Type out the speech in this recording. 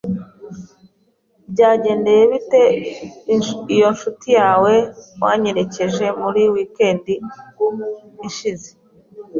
Byagendekeye bite iyo ncuti yawe wanyerekeje muri weekend ishize?